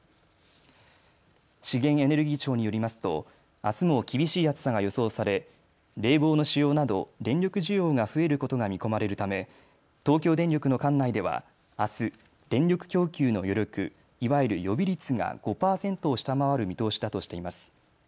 資源エネルギー庁によりますとあすも厳しい暑さが予想され冷房の使用など電力需要が増えることが見込まれるため東京電力の管内ではあす、電力供給の余力、いわゆる予備率が５％を下回る見通しだとしています。